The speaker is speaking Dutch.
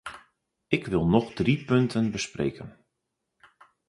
Ik wil nog drie punten bespreken.